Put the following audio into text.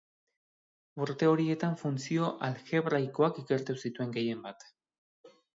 Urte horietan funtzio aljebraikoak ikertu zituen gehienbat.